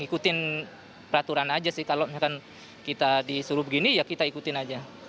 ikutin peraturan aja sih kalau misalkan kita disuruh begini ya kita ikutin aja